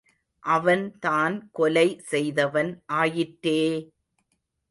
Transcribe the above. அவன் தான் கொலை செய்தவன் ஆயிற்றே!